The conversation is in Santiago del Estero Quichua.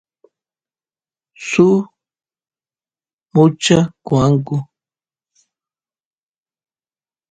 suk mucha qoanku